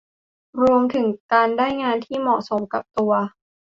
รวมถึงการได้งานที่เหมาะสมกับตัว